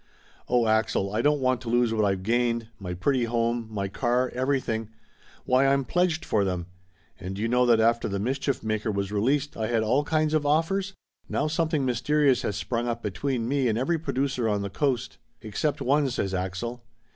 Oh, Axel, I don't want to lose what I've gained my pretty home, my car, everything! Why, I'm pledged for them ! And do you know that after The Mischief Maker was released I Laughter Limited 265 had all kinds of offers? Now something mysterious has sprung up between me and every producer on the Coast!" "Except one," says Axel.